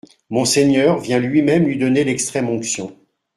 Monseigneur vient lui-même lui donner l'extrême-onction.